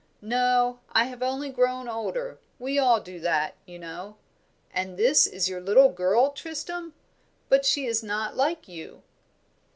"No, I have only grown older; we all do that, you know. And this is your little girl, Tristram? But she is not like you."